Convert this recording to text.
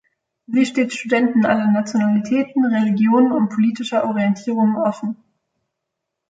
Sie steht Studenten aller Nationalitäten, Religionen und politischer Orientierung offen.